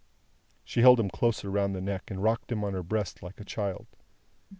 She held him closer round the neck, and rocked him on her breast like a child.